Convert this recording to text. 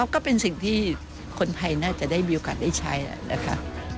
ก็เป็นสิ่งที่คนไทยน่าจะได้มีโอกาสได้ใช้นะคะ